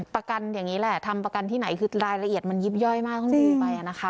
ประกันอย่างนี้แหละทำประกันที่ไหนคือรายละเอียดมันยิบย่อยมากต้องหนีไปนะคะ